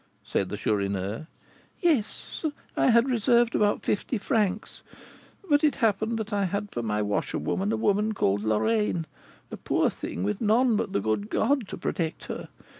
said the Chourineur. "Yes, I had reserved about fifty francs; but it happened that I had for my washerwoman a woman called Lorraine, a poor thing, with none but the good God to protect her.